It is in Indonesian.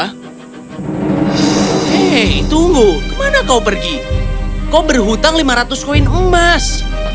hei tunggu kemana kau pergi kau berhutang lima ratus koin emas